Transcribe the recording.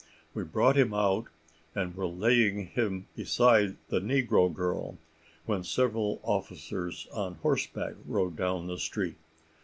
We brought him out, and were laying him beside the negro girl, when several officers on horseback rode down the street.